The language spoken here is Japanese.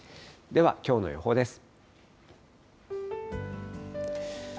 では、きょうの予報です。